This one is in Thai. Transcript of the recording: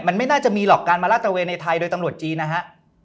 มันไม่น่าจะมีหรอกการมาลาดตระเวนในไทยโดยตำรวจจีนนะฮะ